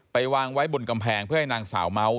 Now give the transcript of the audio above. วางไว้บนกำแพงเพื่อให้นางสาวเมาส์